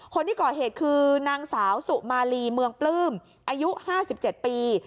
คนที่ก่อเหตุคือนางสาวสุมาลีเมืองปลื้มอายุ๕๗ปี